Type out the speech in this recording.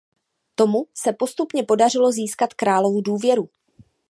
Tomu se postupně podařilo získat královu důvěru.